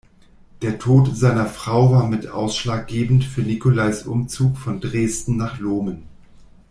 Der Tod seiner Frau war mit ausschlaggebend für Nicolais Umzug von Dresden nach Lohmen.